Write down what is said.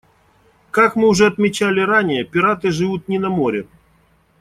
Как мы уже отмечали ранее, пираты живут не на море.